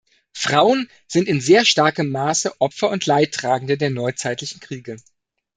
Frauen sind in sehr starkem Maße Opfer und Leidtragende der neuzeitlichen Kriege.